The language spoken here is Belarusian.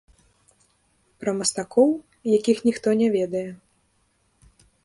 Пра мастакоў, якіх ніхто не ведае.